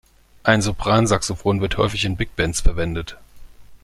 Ein Sopransaxophon wird häufig in Big Bands verwendet.